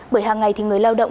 bởi hàng ngày thì người lao động